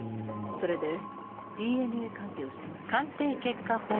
それでＤＮＡ鑑定をしてもらったんです。